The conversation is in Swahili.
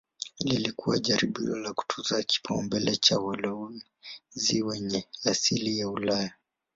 Lilikuwa jaribio la kutunza kipaumbele cha walowezi wenye asili ya Ulaya.